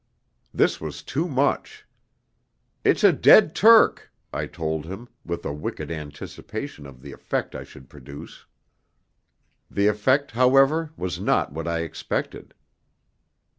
This was too much. 'It's a dead Turk,' I told him, with a wicked anticipation of the effect I should produce. The effect, however, was not what I expected.